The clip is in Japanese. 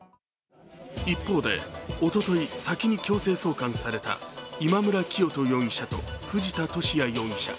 一方で、おととい、先に強制送還された今村磨人容疑者と藤田聖也容疑者。